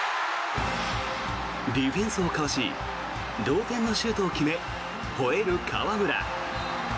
ディフェンスをかわし同点のシュートを決めほえる河村。